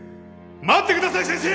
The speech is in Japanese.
待ってください先生！